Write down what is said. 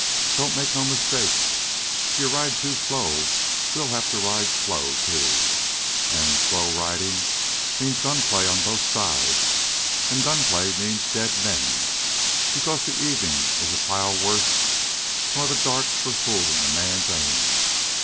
Don't make no mistake. If you ride too slow we'll have to ride slow, too, and slow ridin' means gunplay on both sides, and gunplay means dead men, because the evenin' is a pile worse nor the dark for fooling a man's aim.